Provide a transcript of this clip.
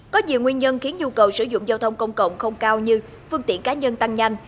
có nhiều nguyên nhân khiến nhu cầu sử dụng giao thông công cộng không cao như phương tiện cá nhân tăng nhanh